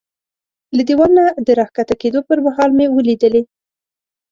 له دېوال نه د را کښته کېدو پر مهال مې ولیدلې.